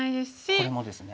これもですね。